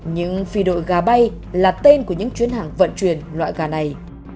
những phi đội gà bay là tên của những chuyến hàng vận chuyển loại gà này